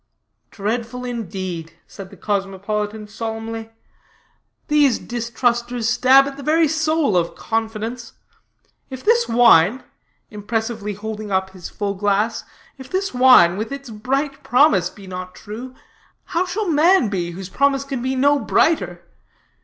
"Dreadful indeed," said the cosmopolitan solemnly. "These distrusters stab at the very soul of confidence. If this wine," impressively holding up his full glass, "if this wine with its bright promise be not true, how shall man be, whose promise can be no brighter?